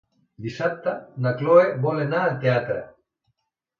Dissabte na Cloè vol anar al teatre.